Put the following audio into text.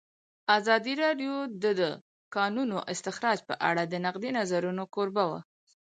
ازادي راډیو د د کانونو استخراج په اړه د نقدي نظرونو کوربه وه.